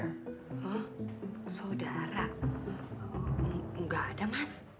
hah saudara gak ada mas